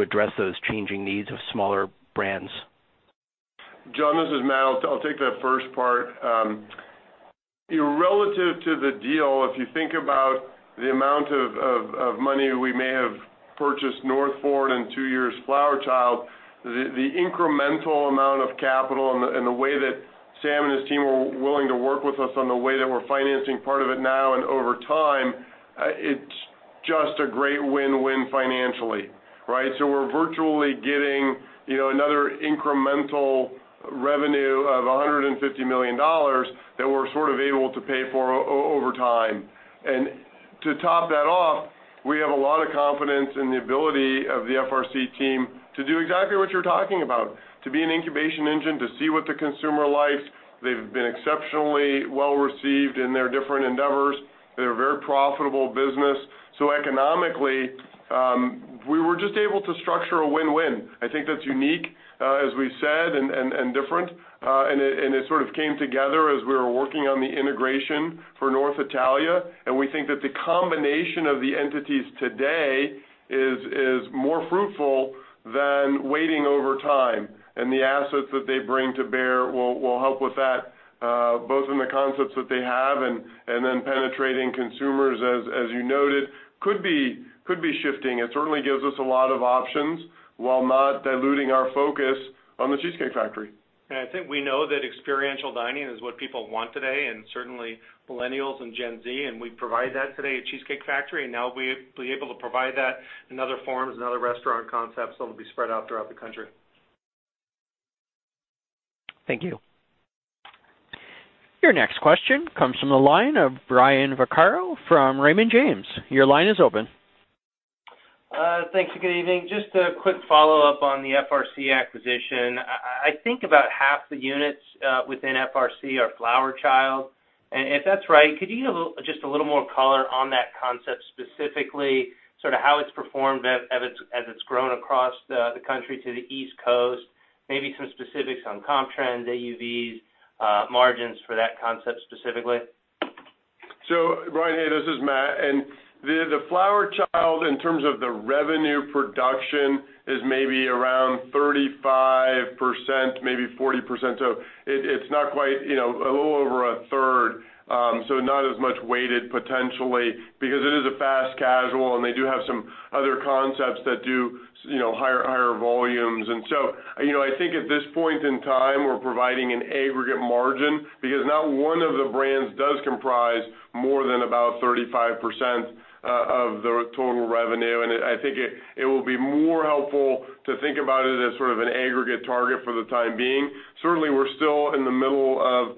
address those changing needs of smaller brands? John, this is Matt. I'll take that first part. Relative to the deal, if you think about the amount of money we may have purchased North for in two years, Flower Child, the incremental amount of capital and the way that Sam and his team were willing to work with us on the way that we're financing part of it now and over time, it's just a great win-win financially, right? We're virtually getting another incremental revenue of $150 million that we're sort of able to pay for over time. To top that off, we have a lot of confidence in the ability of the FRC team to do exactly what you're talking about. To be an incubation engine, to see what the consumer likes. They've been exceptionally well-received in their different endeavors. They're a very profitable business. Economically, we were just able to structure a win-win. I think that's unique, as we said, and different. It sort of came together as we were working on the integration for North Italia, and we think that the combination of the entities today is more fruitful than waiting over time, and the assets that they bring to bear will help with that, both in the concepts that they have and then penetrating consumers, as you noted, could be shifting. It certainly gives us a lot of options while not diluting our focus on The Cheesecake Factory. I think we know that experiential dining is what people want today, and certainly Millennials and Gen Z, and we provide that today at The Cheesecake Factory, and now we'll be able to provide that in other forms and other restaurant concepts that will be spread out throughout the country. Thank you. Your next question comes from the line of Brian Vaccaro from Raymond James. Your line is open. Thanks, and good evening. Just a quick follow-up on the FRC acquisition. I think about 1/2 the units within FRC are Flower Child. If that's right, could you give just a little more color on that concept specifically, how it's performed as it's grown across the country to the East Coast? Maybe some specifics on comp trends, AUVs, margins for that concept specifically. Brian, hey, this is Matt. The Flower Child, in terms of the revenue production, is maybe around 35%, maybe 40%. It's a little over a 1/3, so not as much weighted potentially because it is a fast casual and they do have some other concepts that do higher volumes. I think at this point in time, we're providing an aggregate margin because not one of the brands does comprise more than about 35% of the total revenue. I think it will be more helpful to think about it as sort of an aggregate target for the time being. Certainly, we're still in the middle of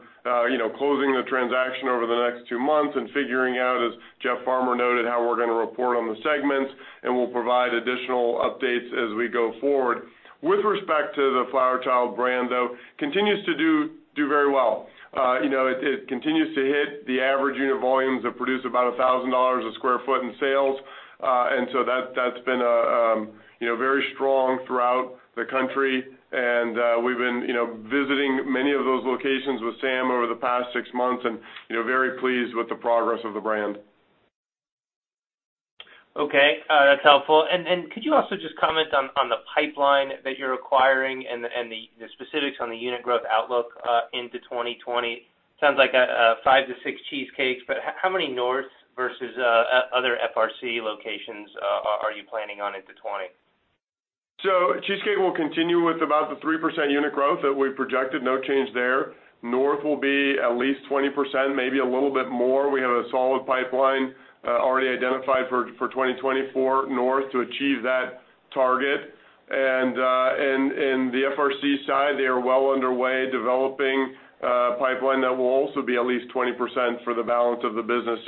closing the transaction over the next two months and figuring out, as Jeff Farmer noted, how we're going to report on the segments, and we'll provide additional updates as we go forward. With respect to The Flower Child brand, though, continues to do very well. It continues to hit the average unit volumes that produce about $1,000 a sq ft in sales. That's been very strong throughout the country, and we've been visiting many of those locations with Sam over the past six months and very pleased with the progress of the brand. Okay, that's helpful. Could you also just comment on the pipeline that you're acquiring and the specifics on the unit growth outlook into 2020? Sounds like five to six Cheesecake, but how many North versus other FRC locations are you planning on into 2020? Cheesecake will continue with about the 3% unit growth that we've projected. No change there. North will be at least 20%, maybe a little bit more. We have a solid pipeline already identified for 2020 for North to achieve that target. The FRC side, they are well underway developing a pipeline that will also be at least 20% for the balance of the business.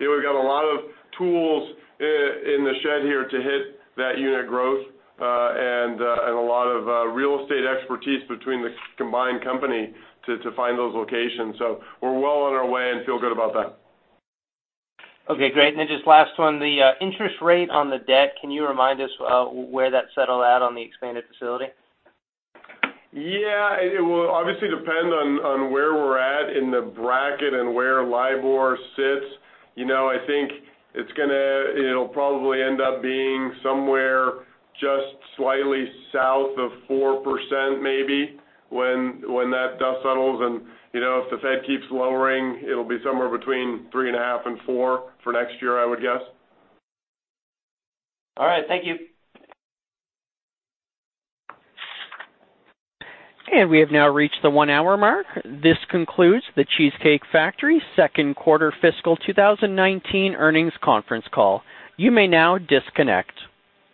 We've got a lot of tools in the shed here to hit that unit growth, and a lot of real estate expertise between the combined company to find those locations. We're well on our way and feel good about that. Okay, great. Then just last one, the interest rate on the debt, can you remind us where that settled at on the expanded facility? Yeah. It will obviously depend on where we're at in the bracket and where LIBOR sits. I think it'll probably end up being somewhere just slightly south of 4%, maybe, when that dust settles. If the Fed keeps lowering, it'll be somewhere between 3.5 and four for next year, I would guess. All right. Thank you. We have now reached the one-hour mark. This concludes The Cheesecake Factory second quarter fiscal 2019 earnings conference call. You may now disconnect.